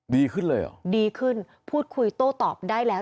ดีขึ้นเลยเหรอดีขึ้นพูดคุยโต้ตอบได้แล้ว